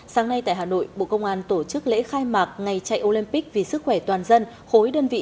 sáng nay tại hà nội bộ công an tổ chức lễ khai mạc ngày chạy olympic vì sức khỏe toàn dân khối đơn vị